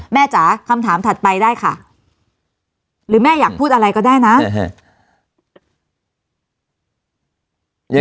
จ๋าคำถามถัดไปได้ค่ะหรือแม่อยากพูดอะไรก็ได้นะ